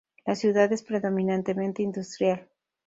La ciudad es predominantemente industrial.